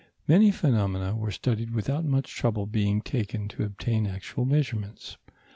Many phenomena were studied without much trouble being taken to obtain actual measurements.